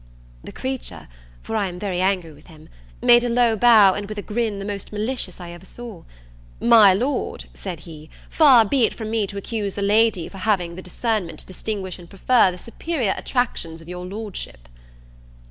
The creature for I am very angry with him made a low bow and with a grin the most malicious I ever saw, "My Lord," said he, "far be it from me to accuse the lady, for having the discernment to distinguish and prefer the superior attractions of your Lordship."